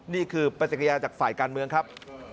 นี่คือปฏิกิริยาจากฝ่ายการเมืองครับ